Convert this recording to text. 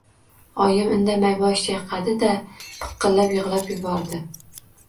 Oyim indamay bosh chayqadi-da, piqillab yig‘lab yubordi.